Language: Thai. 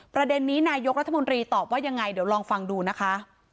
ประเด็นนี้นายกรัฐมนตรีตอบว่ายังไงเดี๋ยวลองฟังดูนะคะ